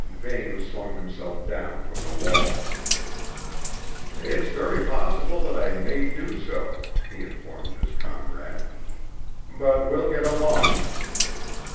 Vane swung himself down from the wall. "It's very possible that I may do so," he informed his comrade. "But we'll get along."